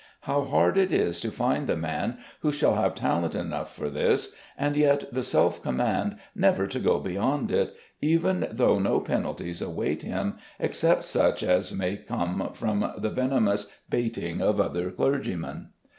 How hard it is to find the man who shall have talent enough for this, and yet the self command never to go beyond it, even though no penalties await him, except such as may come from the venomous baiting of other clergymen.